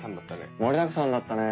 盛りだくさんだったね。